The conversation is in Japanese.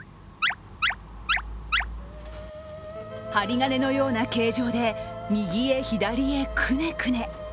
針金のような形状で右へ左へくねくね。